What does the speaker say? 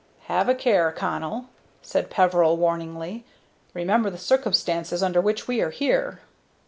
"Have a care, Connell," said Peveril, warningly. "Remember the circumstances under which we are here."